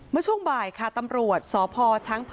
เมื่อช่วงบ่ายค่ะตำรวจสพช้างเผ